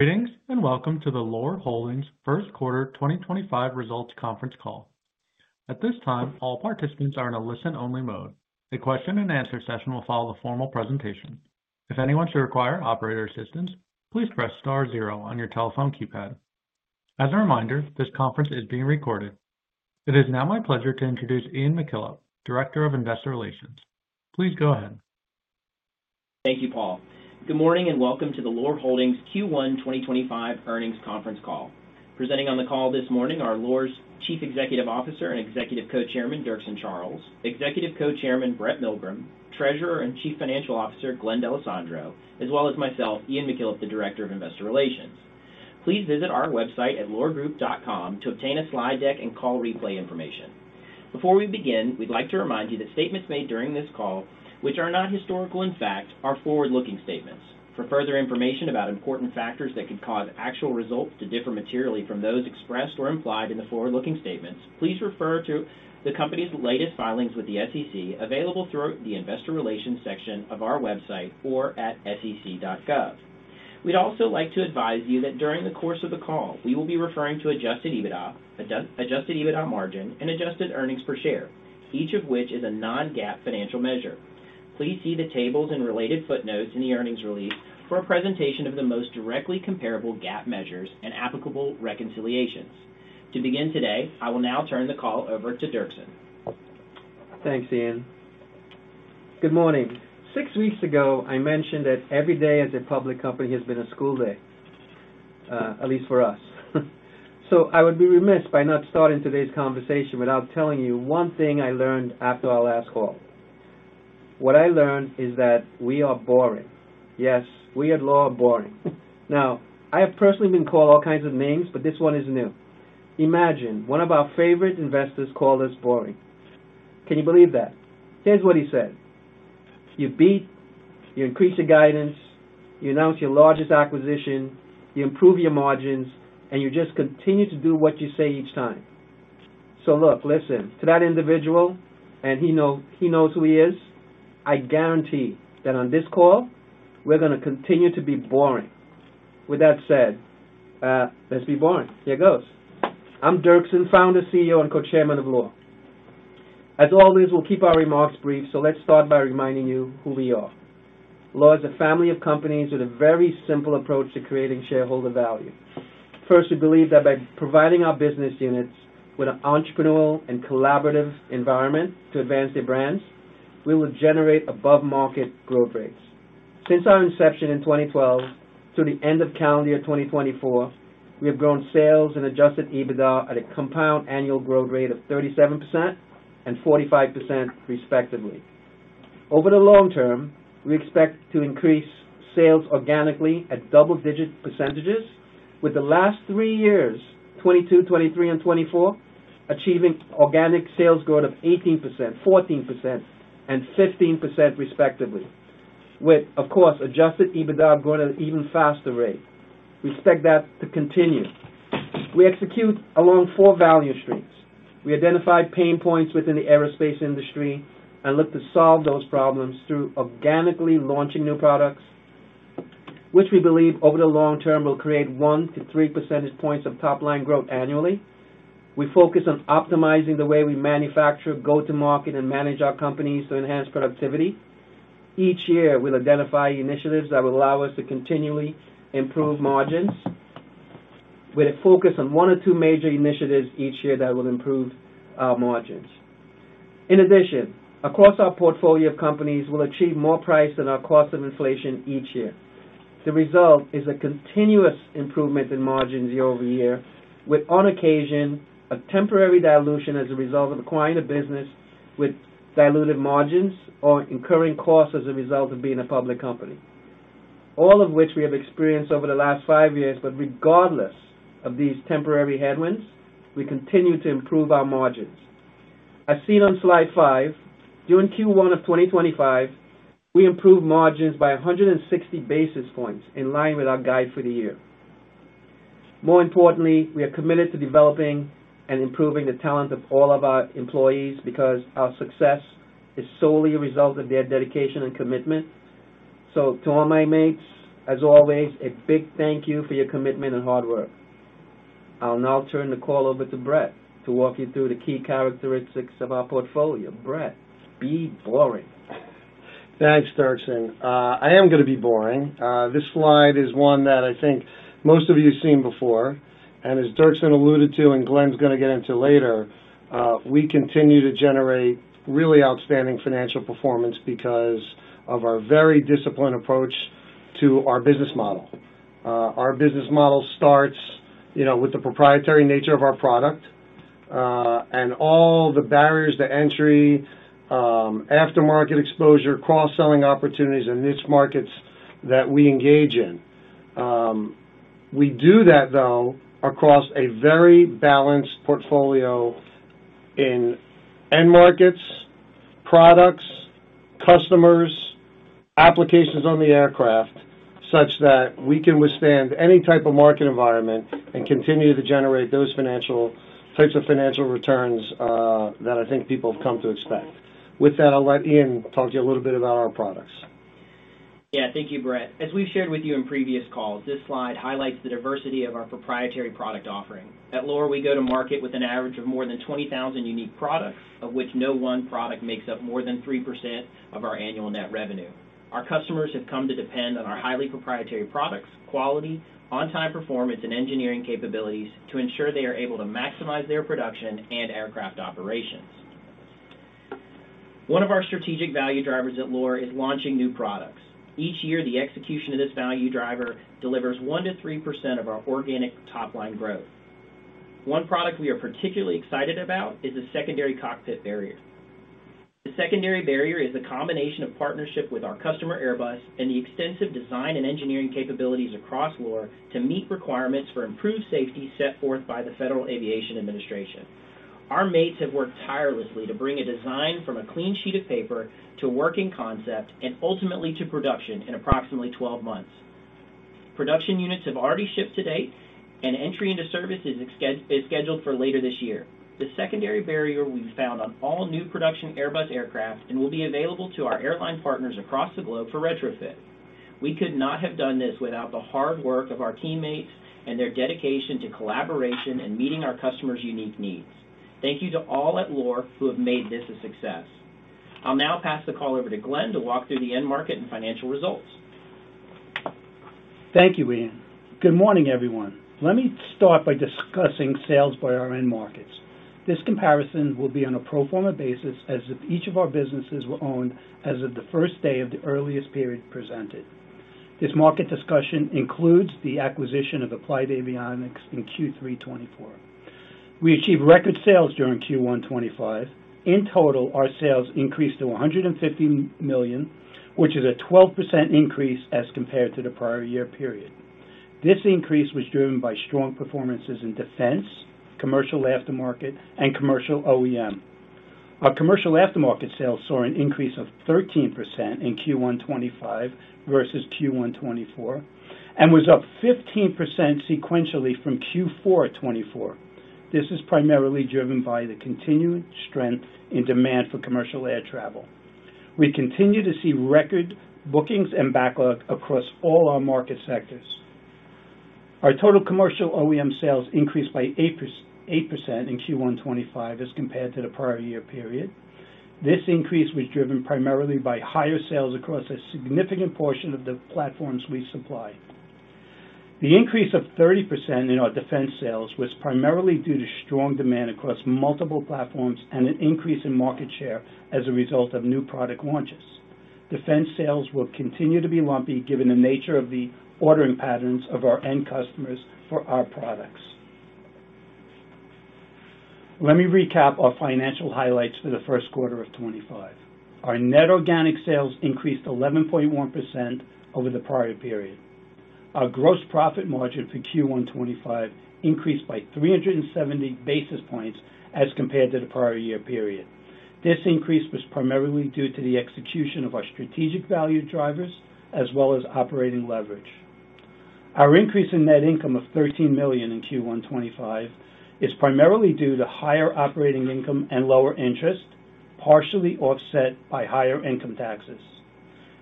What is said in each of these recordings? Greetings and welcome to the Loar Holdings First Quarter 2025 Results Conference Call. At this time, all participants are in a listen-only mode. The question-and-answer session will follow the formal presentation. If anyone should require operator assistance, please press star zero on your telephone keypad. As a reminder, this conference is being recorded. It is now my pleasure to introduce Ian McKillop, Director of Investor Relations. Please go ahead. Thank you, Paul. Good morning and welcome to the Loar Holdings Q1 2025 Earnings Conference Call. Presenting on the call this morning are Loar's Chief Executive Officer and Executive Co-Chairman, Dirkson Charles, Executive Co-Chairman, Brett Milgrim, Treasurer and Chief Financial Officer, Glenn D'Alessandro, as well as myself, Ian McKillop, the Director of Investor Relations. Please visit our website at loargroup.com to obtain a slide deck and call replay information. Before we begin, we'd like to remind you that statements made during this call, which are not historical in fact, are forward-looking statements. For further information about important factors that could cause actual results to differ materially from those expressed or implied in the forward-looking statements, please refer to the company's latest filings with the SEC available through the Investor Relations section of our website or at sec.gov. We'd also like to advise you that during the course of the call, we will be referring to adjusted EBITDA, adjusted EBITDA margin, and adjusted earnings per share, each of which is a non-GAAP financial measure. Please see the tables and related footnotes in the earnings release for a presentation of the most directly comparable GAAP measures and applicable reconciliations. To begin today, I will now turn the call over to Dirkson. Thanks, Ian. Good morning. Six weeks ago, I mentioned that every day as a public company has been a school day, at least for us. I would be remiss by not starting today's conversation without telling you one thing I learned after our last call. What I learned is that we are boring. Yes, we at Loar are boring. Now, I have personally been called all kinds of names, but this one is new. Imagine one of our favorite investors called us boring. Can you believe that? Here is what he said: "You beat, you increase your guidance, you announce your largest acquisition, you improve your margins, and you just continue to do what you say each time." Listen, to that individual, and he knows who he is, I guarantee that on this call, we are going to continue to be boring. With that said, let's be boring. Here goes. I'm Dirkson, Founder, CEO, and Co-Chairman of Loar. As always, we'll keep our remarks brief, so let's start by reminding you who we are. Loar is a family of companies with a very simple approach to creating shareholder value. First, we believe that by providing our business units with an entrepreneurial and collaborative environment to advance their brands, we will generate above-market growth rates. Since our inception in 2012 through the end of calendar year 2024, we have grown sales and adjusted EBITDA at a compound annual growth rate of 37% and 45%, respectively. Over the long term, we expect to increase sales organically at double-digit percentages, with the last three years, 2022, 2023, and 2024, achieving organic sales growth of 18%, 14%, and 15%, respectively, with, of course, adjusted EBITDA growing at an even faster rate. We expect that to continue. We execute along four value streams. We identify pain points within the aerospace industry and look to solve those problems through organically launching new products, which we believe over the long term will create 1-3 percentage points of top-line growth annually. We focus on optimizing the way we manufacture, go to market, and manage our companies to enhance productivity. Each year, we'll identify initiatives that will allow us to continually improve margins, with a focus on one or two major initiatives each year that will improve our margins. In addition, across our portfolio of companies, we'll achieve more price than our cost of inflation each year. The result is a continuous improvement in margins year over year, with, on occasion, a temporary dilution as a result of acquiring a business with diluted margins or incurring costs as a result of being a public company, all of which we have experienced over the last five years. Regardless of these temporary headwinds, we continue to improve our margins. As seen on slide five, during Q1 of 2025, we improved margins by 160 basis points in line with our guide for the year. More importantly, we are committed to developing and improving the talent of all of our employees because our success is solely a result of their dedication and commitment. To all my mates, as always, a big thank you for your commitment and hard work. I'll now turn the call over to Brett to walk you through the key characteristics of our portfolio. Brett, be boring. Thanks, Dirkson. I am going to be boring. This slide is one that I think most of you have seen before. As Dirkson alluded to, and Glenn's going to get into later, we continue to generate really outstanding financial performance because of our very disciplined approach to our business model. Our business model starts with the proprietary nature of our product and all the barriers to entry, aftermarket exposure, cross-selling opportunities, and niche markets that we engage in. We do that, though, across a very balanced portfolio in end markets, products, customers, applications on the aircraft, such that we can withstand any type of market environment and continue to generate those types of financial returns that I think people have come to expect. With that, I'll let Ian talk to you a little bit about our products. Yeah, thank you, Brett. As we've shared with you in previous calls, this slide highlights the diversity of our proprietary product offering. At Loar, we go to market with an average of more than 20,000 unique products, of which no one product makes up more than 3% of our annual net revenue. Our customers have come to depend on our highly proprietary products, quality, on-time performance, and engineering capabilities to ensure they are able to maximize their production and aircraft operations. One of our strategic value drivers at Loar is launching new products. Each year, the execution of this value driver delivers 1%-3% of our organic top-line growth. One product we are particularly excited about is the Secondary Cockpit Barrier. The Secondary Barrier is the combination of partnership with our customer Airbus and the extensive design and engineering capabilities across Loar to meet requirements for improved safety set forth by the Federal Aviation Administration. Our mates have worked tirelessly to bring a design from a clean sheet of paper to a working concept and ultimately to production in approximately 12 months. Production units have already shipped to date, and entry into service is scheduled for later this year. The Secondary Barrier we have found on all new production Airbus aircraft will be available to our airline partners across the globe for retrofit. We could not have done this without the hard work of our teammates and their dedication to collaboration and meeting our customers' unique needs. Thank you to all at Loar who have made this a success. I'll now pass the call over to Glenn to walk through the end market and financial results. Thank you, Ian. Good morning, everyone. Let me start by discussing sales by our end markets. This comparison will be on a pro forma basis as if each of our businesses were owned as of the first day of the earliest period presented. This market discussion includes the acquisition of Applied Avionics in Q3 2024. We achieved record sales during Q1 2025. In total, our sales increased to $150 million, which is a 12% increase as compared to the prior year period. This increase was driven by strong performances in defense, commercial aftermarket, and commercial OEM. Our commercial aftermarket sales saw an increase of 13% in Q1 2025 versus Q1 2024 and was up 15% sequentially from Q4 2024. This is primarily driven by the continued strength in demand for commercial air travel. We continue to see record bookings and backlog across all our market sectors. Our total commercial OEM sales increased by 8% in Q1 2025 as compared to the prior year period. This increase was driven primarily by higher sales across a significant portion of the platforms we supply. The increase of 30% in our defense sales was primarily due to strong demand across multiple platforms and an increase in market share as a result of new product launches. Defense sales will continue to be lumpy given the nature of the ordering patterns of our end customers for our products. Let me recap our financial highlights for the first quarter of 2025. Our net organic sales increased 11.1% over the prior period. Our gross profit margin for Q1 2025 increased by 370 basis points as compared to the prior year period. This increase was primarily due to the execution of our strategic value drivers as well as operating leverage. Our increase in net income of $13 million in Q1 2025 is primarily due to higher operating income and lower interest, partially offset by higher income taxes.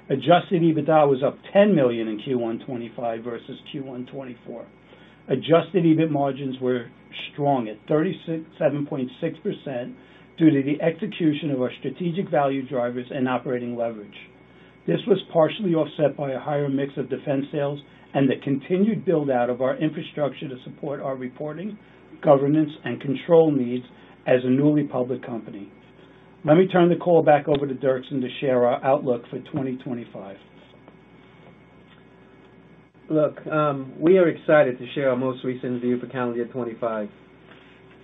Adjusted EBITDA was up $10 million in Q1 2025 versus Q1 2024. Adjusted EBITDA margins were strong at 37.6% due to the execution of our strategic value drivers and operating leverage. This was partially offset by a higher mix of defense sales and the continued build-out of our infrastructure to support our reporting, governance, and control needs as a newly public company. Let me turn the call back over to Dirkson to share our outlook for 2025. Look, we are excited to share our most recent view for calendar year 2025.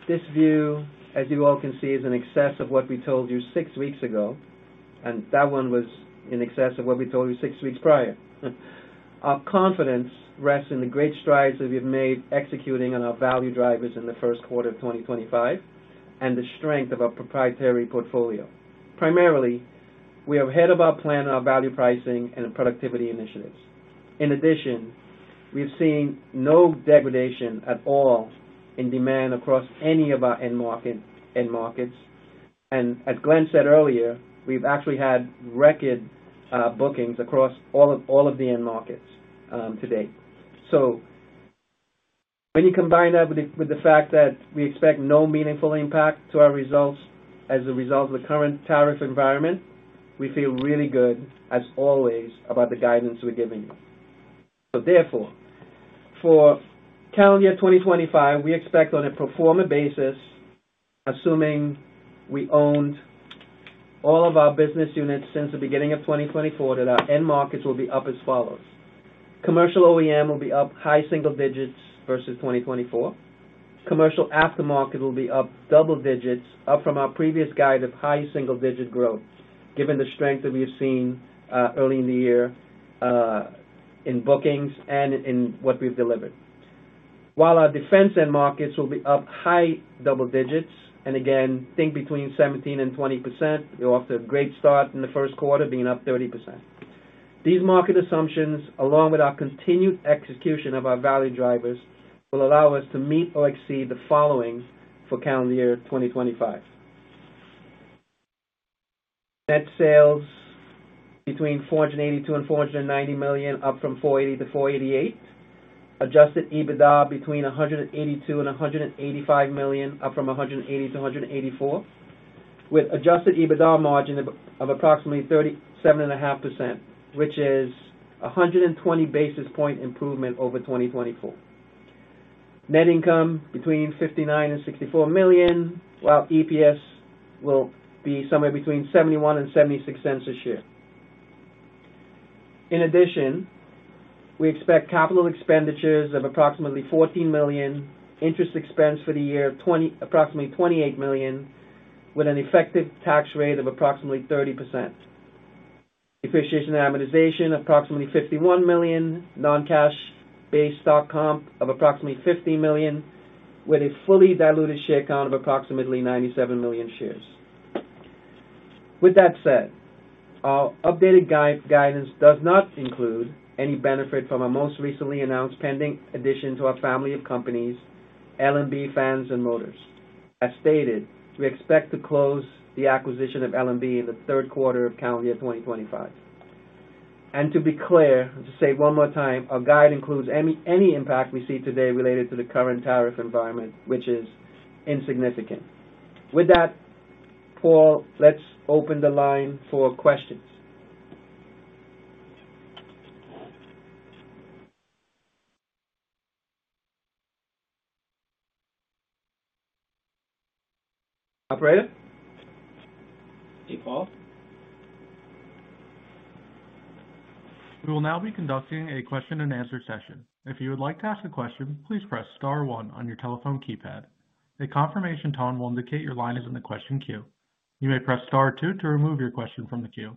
This view, as you all can see, is in excess of what we told you six weeks ago, and that one was in excess of what we told you six weeks prior. Our confidence rests in the great strides that we've made executing on our value drivers in the first quarter of 2025 and the strength of our proprietary portfolio. Primarily, we are ahead of our plan on our value pricing and productivity initiatives. In addition, we have seen no degradation at all in demand across any of our end markets. As Glenn said earlier, we've actually had record bookings across all of the end markets to date. When you combine that with the fact that we expect no meaningful impact to our results as a result of the current tariff environment, we feel really good, as always, about the guidance we're giving you. Therefore, for calendar year 2025, we expect on a pro forma basis, assuming we owned all of our business units since the beginning of 2024, that our end markets will be up as follows. Commercial OEM will be up high single digits versus 2024. Commercial aftermarket will be up double digits, up from our previous guide of high single-digit growth, given the strength that we have seen early in the year in bookings and in what we've delivered. While our defense end markets will be up high double digits, and again, think between 17%-20%. We're off to a great start in the first quarter, being up 30%. These market assumptions, along with our continued execution of our value drivers, will allow us to meet or exceed the following for calendar year 2025: net sales between $482 million and $490 million, up from $480 million-$488 million; adjusted EBITDA between $182 million and $185 million, up from $180 million-$184 million; with adjusted EBITDA margin of approximately 37.5%, which is a 120 basis point improvement over 2024. Net income between $59 million and $64 million, while EPS will be somewhere between $0.71 and $0.76 a share. In addition, we expect capital expenditures of approximately $14 million, interest expense for the year approximately $28 million, with an effective tax rate of approximately 30%. Depreciation and amortization of approximately $51 million, non-cash-based stock comp of approximately $15 million, with a fully diluted share count of approximately 97 million shares. With that said, our updated guidance does not include any benefit from our most recently announced pending addition to our family of companies, LMB Fans and Motors. As stated, we expect to close the acquisition of LMB in the third quarter of calendar year 2025. To be clear, to say it one more time, our guide includes any impact we see today related to the current tariff environment, which is insignificant. With that, Paul, let's open the line for questions. Operator? Hey, Paul. We will now be conducting a question-and-answer session. If you would like to ask a question, please press star one on your telephone keypad. A confirmation tone will indicate your line is in the question queue. You may press star two to remove your question from the queue.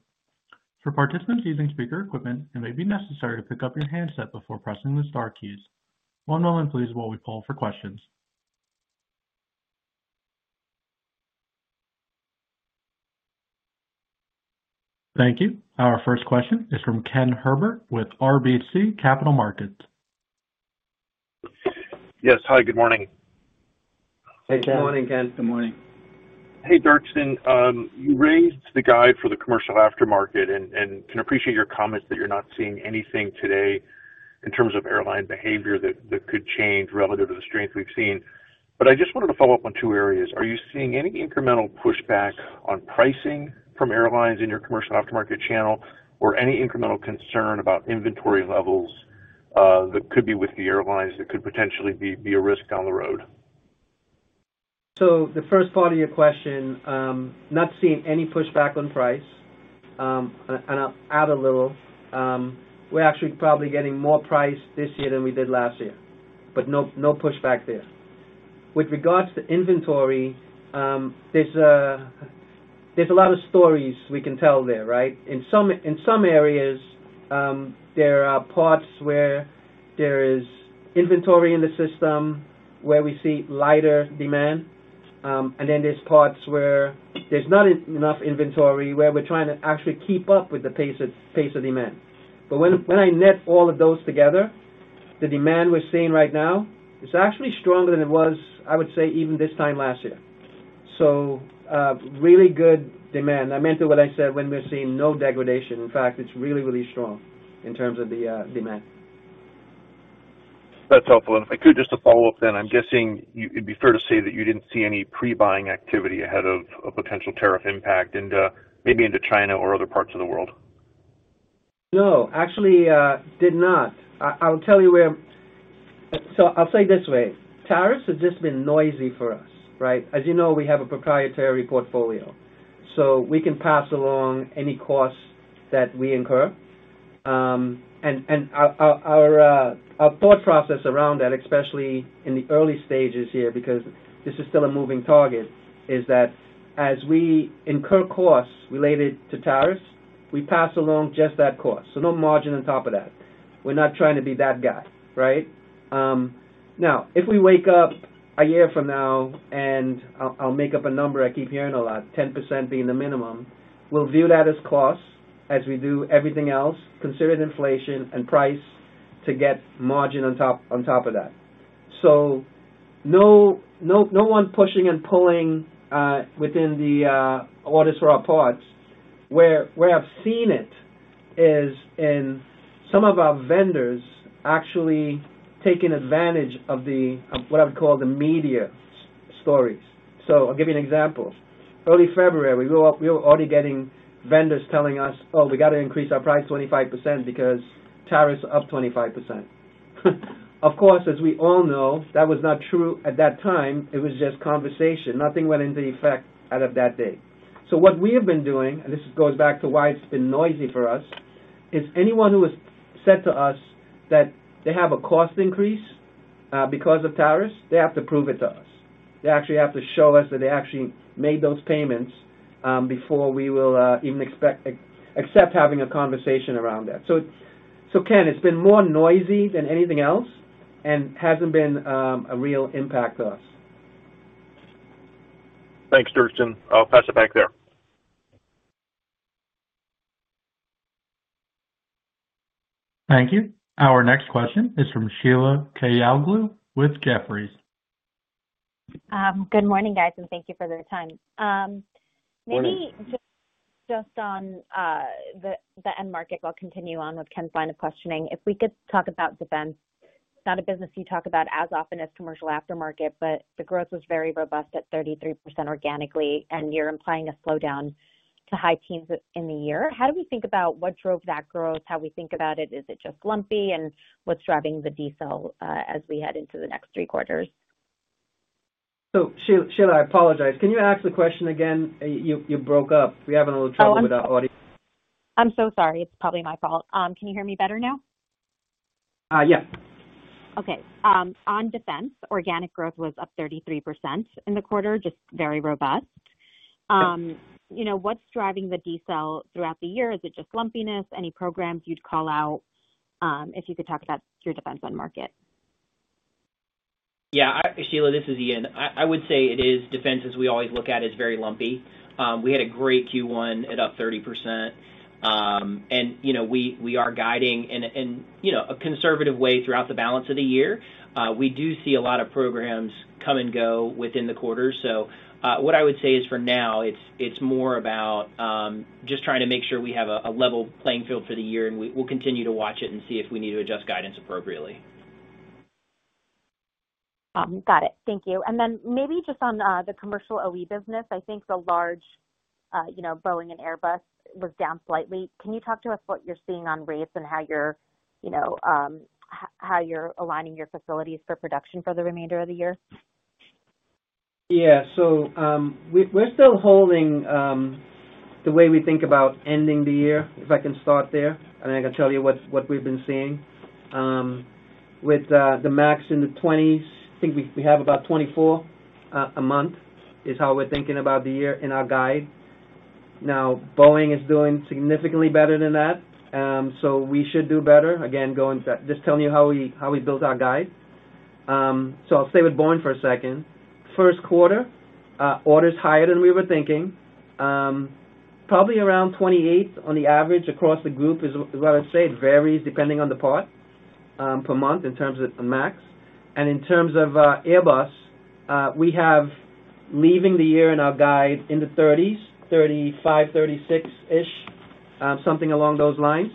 For participants using speaker equipment, it may be necessary to pick up your handset before pressing the star keys. One moment, please, while we pull for questions. Thank you. Our first question is from Ken Herbert with RBC Capital Markets. Yes, hi, good morning. Hey, Ken. Good morning, Ken. Good morning. Hey, Dirkson. You raised the guide for the commercial aftermarket, and I can appreciate your comments that you're not seeing anything today in terms of airline behavior that could change relative to the strength we've seen. I just wanted to follow up on two areas. Are you seeing any incremental pushback on pricing from airlines in your commercial aftermarket channel, or any incremental concern about inventory levels that could be with the airlines that could potentially be a risk down the road? The first part of your question, not seeing any pushback on price. I'll add a little. We're actually probably getting more price this year than we did last year, but no pushback there. With regards to inventory, there's a lot of stories we can tell there, right? In some areas, there are parts where there is inventory in the system where we see lighter demand, and then there's parts where there's not enough inventory where we're trying to actually keep up with the pace of demand. When I net all of those together, the demand we're seeing right now is actually stronger than it was, I would say, even this time last year. Really good demand. I meant what I said when we're seeing no degradation. In fact, it's really, really strong in terms of the demand. That's helpful. If I could just to follow up then, I'm guessing it'd be fair to say that you didn't see any pre-buying activity ahead of a potential tariff impact maybe into China or other parts of the world. No, actually did not. I'll tell you where, so I'll say it this way. Tariffs have just been noisy for us, right? As you know, we have a proprietary portfolio, so we can pass along any costs that we incur. Our thought process around that, especially in the early stages here, because this is still a moving target, is that as we incur costs related to tariffs, we pass along just that cost. No margin on top of that. We're not trying to be that guy, right? If we wake up a year from now, and I'll make up a number I keep hearing a lot, 10% being the minimum, we'll view that as costs as we do everything else, considering inflation and price, to get margin on top of that. No one pushing and pulling within the orders for our parts. Where I've seen it is in some of our vendors actually taking advantage of what I would call the media stories. I'll give you an example. Early February, we were already getting vendors telling us, "Oh, we got to increase our price 25% because tariffs are up 25%." Of course, as we all know, that was not true at that time. It was just conversation. Nothing went into effect out of that day. What we have been doing, and this goes back to why it's been noisy for us, is anyone who has said to us that they have a cost increase because of tariffs, they have to prove it to us. They actually have to show us that they actually made those payments before we will even accept having a conversation around that. Ken, it's been more noisy than anything else and hasn't been a real impact to us. Thanks, Dirkson. I'll pass it back there. Thank you. Our next question is from Sheila Kahyaoglu with Jefferies. Good morning, guys, and thank you for the time. Morning. Maybe just on the end market, while I continue on with Ken's line of questioning, if we could talk about defense. It's not a business you talk about as often as commercial aftermarket, but the growth was very robust at 33% organically, and you're implying a slowdown to high teens in the year. How do we think about what drove that growth? How we think about it? Is it just lumpy, and what's driving the decel as we head into the next three quarters? Sheila, I apologize. Can you ask the question again? You broke up. We're having a little trouble with our audio. Oh, I'm sorry. I'm so sorry. It's probably my fault. Can you hear me better now? Yeah. Okay. On defense, organic growth was up 33% in the quarter, just very robust. What's driving the decel throughout the year? Is it just lumpiness? Any programs you'd call out if you could talk about your defense end market? Yeah. Sheila, this is Ian. I would say it is defense, as we always look at, is very lumpy. We had a great Q1 at up 30%, and we are guiding in a conservative way throughout the balance of the year. We do see a lot of programs come and go within the quarter. What I would say is, for now, it's more about just trying to make sure we have a level playing field for the year, and we'll continue to watch it and see if we need to adjust guidance appropriately. Got it. Thank you. Maybe just on the commercial OE business, I think the large Boeing and Airbus was down slightly. Can you talk to us what you're seeing on rates and how you're aligning your facilities for production for the remainder of the year? Yeah. We are still holding the way we think about ending the year, if I can start there. I can tell you what we have been seeing. With the max in the 20s, I think we have about 24 a month is how we are thinking about the year in our guide. Now, Boeing is doing significantly better than that, so we should do better. Again, just telling you how we built our guide. I will stay with Boeing for a second. First quarter, orders higher than we were thinking. Probably around 28 on the average across the group is what I would say. It varies depending on the part per month in terms of max. In terms of Airbus, we have leaving the year in our guide in the 30s, 35, 36-ish, something along those lines.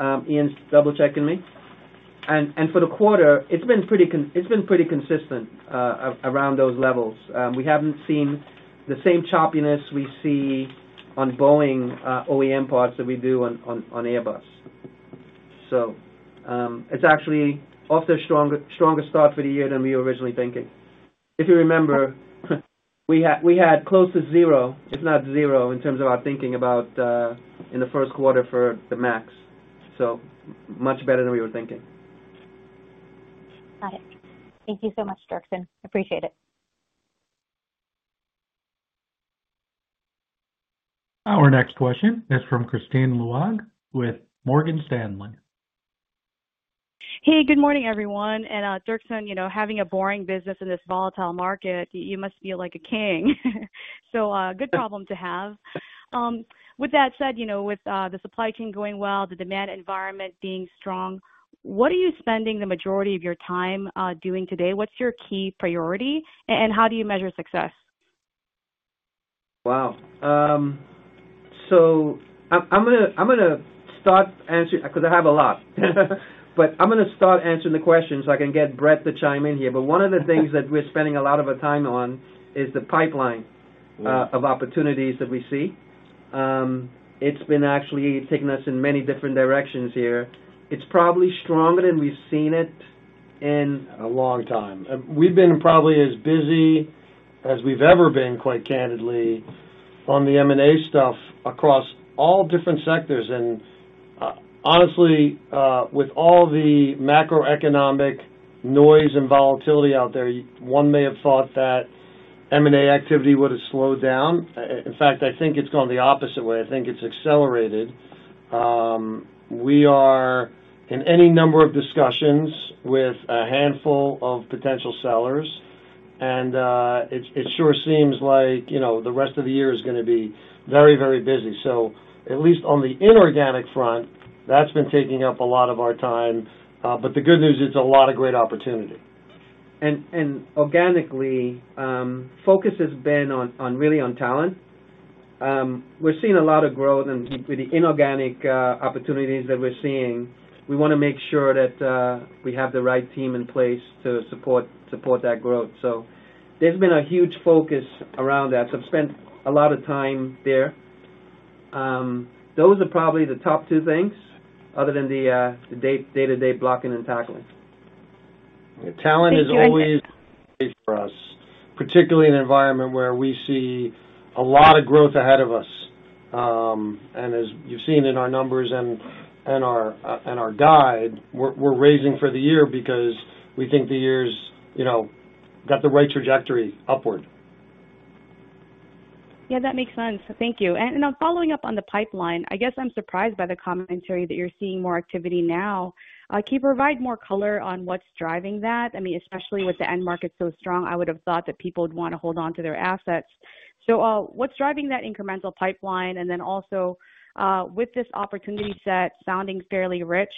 Ian, double-checking me. For the quarter, it has been pretty consistent around those levels. We have not seen the same choppiness we see on Boeing OEM parts that we do on Airbus. It is actually off to a stronger start for the year than we were originally thinking. If you remember, we had close to zero, if not zero, in terms of our thinking about in the first quarter for the Max. Much better than we were thinking. Got it. Thank you so much, Dirkson. Appreciate it. Our next question is from Kristine Liwag with Morgan Stanley. Hey, good morning, everyone. Dirkson, having a boring business in this volatile market, you must feel like a king. Good problem to have. With that said, with the supply chain going well, the demand environment being strong, what are you spending the majority of your time doing today? What's your key priority, and how do you measure success? Wow. I'm going to start answering because I have a lot. I'm going to start answering the questions so I can get Brett to chime in here. One of the things that we're spending a lot of our time on is the pipeline of opportunities that we see. It's been actually taking us in many different directions here. It's probably stronger than we've seen it in. A long time. We've been probably as busy as we've ever been, quite candidly, on the M&A stuff across all different sectors. Honestly, with all the macroeconomic noise and volatility out there, one may have thought that M&A activity would have slowed down. In fact, I think it's gone the opposite way. I think it's accelerated. We are in any number of discussions with a handful of potential sellers, and it sure seems like the rest of the year is going to be very, very busy. At least on the inorganic front, that's been taking up a lot of our time. The good news is it's a lot of great opportunity. Organically, focus has been really on talent. We're seeing a lot of growth, and with the inorganic opportunities that we're seeing, we want to make sure that we have the right team in place to support that growth. There has been a huge focus around that. I've spent a lot of time there. Those are probably the top two things other than the day-to-day blocking and tackling. Talent is always a priority for us, particularly in an environment where we see a lot of growth ahead of us. As you have seen in our numbers and our guide, we are raising for the year because we think the year has got the right trajectory upward. Yeah, that makes sense. Thank you. Following up on the pipeline, I guess I'm surprised by the commentary that you're seeing more activity now. Can you provide more color on what's driving that? I mean, especially with the end market so strong, I would have thought that people would want to hold on to their assets. What's driving that incremental pipeline? Also, with this opportunity set sounding fairly rich,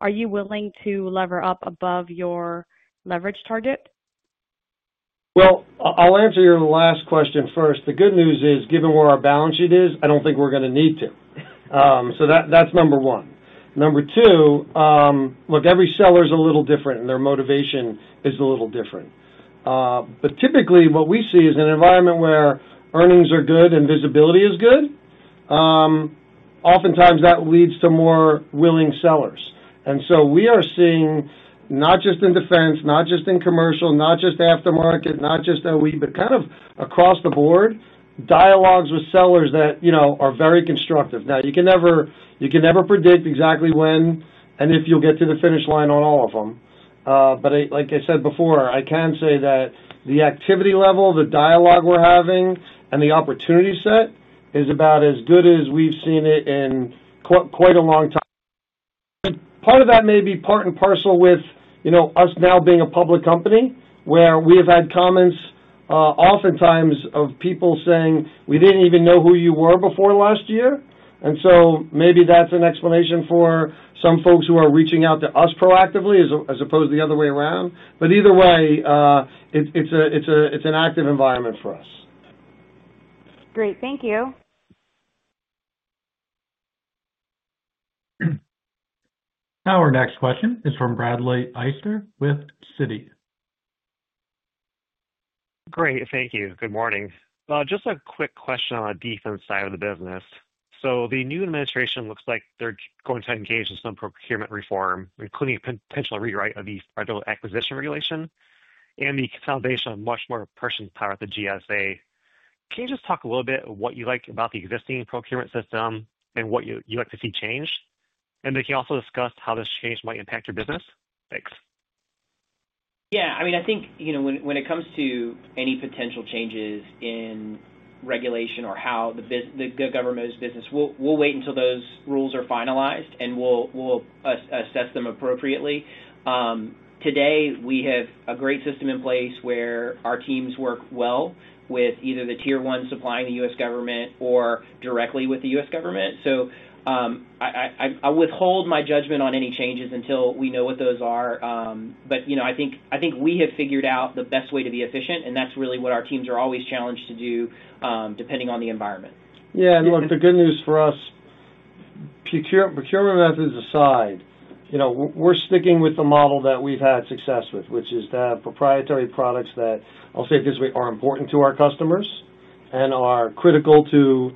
are you willing to lever up above your leverage target? I'll answer your last question first. The good news is, given where our balance sheet is, I don't think we're going to need to. That's number one. Number two, look, every seller is a little different, and their motivation is a little different. Typically, what we see is an environment where earnings are good and visibility is good. Oftentimes, that leads to more willing sellers. We are seeing not just in defense, not just in commercial, not just aftermarket, not just OE, but kind of across the board, dialogues with sellers that are very constructive. You can never predict exactly when and if you'll get to the finish line on all of them. Like I said before, I can say that the activity level, the dialogue we're having, and the opportunity set is about as good as we've seen it in quite a long time. Part of that may be part and parcel with us now being a public company where we have had comments oftentimes of people saying, "We didn't even know who you were before last year." Maybe that's an explanation for some folks who are reaching out to us proactively as opposed to the other way around. Either way, it's an active environment for us. Great. Thank you. Our next question is from Bradley Eyster with Citi. Great. Thank you. Good morning. Just a quick question on the defense side of the business. The new administration looks like they're going to engage in some procurement reform, including a potential rewrite of the Federal Acquisition Regulation and the consolidation of much more personnel power at the GSA. Can you just talk a little bit about what you like about the existing procurement system and what you like to see changed? Can you also discuss how this change might impact your business? Thanks. Yeah. I mean, I think when it comes to any potential changes in regulation or how the government is business, we'll wait until those rules are finalized, and we'll assess them appropriately. Today, we have a great system in place where our teams work well with either the tier one supplying the U.S. government or directly with the U.S. government. I'll withhold my judgment on any changes until we know what those are. I think we have figured out the best way to be efficient, and that's really what our teams are always challenged to do depending on the environment. Yeah. Look, the good news for us, procurement methods aside, we're sticking with the model that we've had success with, which is to have proprietary products that, I'll say it this way, are important to our customers and are critical to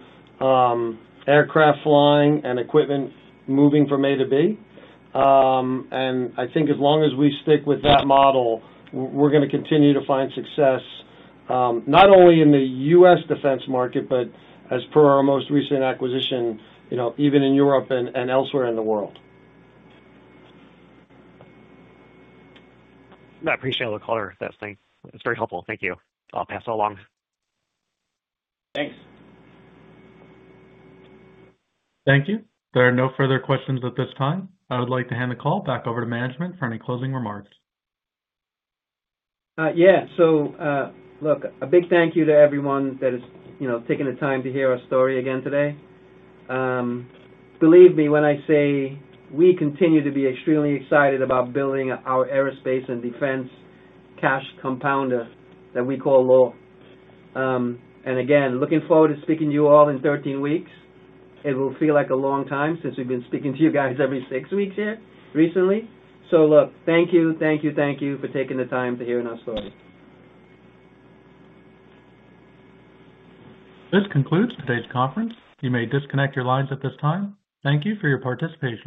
aircraft flying and equipment moving from A to B. I think as long as we stick with that model, we're going to continue to find success not only in the U.S. defense market, but as per our most recent acquisition, even in Europe and elsewhere in the world. I appreciate all the color that's been. It's very helpful. Thank you. I'll pass it along. Thanks. Thank you. There are no further questions at this time. I would like to hand the call back over to management for any closing remarks. Yeah. Look, a big thank you to everyone that is taking the time to hear our story again today. Believe me when I say we continue to be extremely excited about building our aerospace and defense cash compounder that we call Loar. Again, looking forward to speaking to you all in 13 weeks. It will feel like a long time since we've been speaking to you guys every six weeks here recently. Thank you, thank you, thank you for taking the time to hear our story. This concludes today's conference. You may disconnect your lines at this time. Thank you for your participation.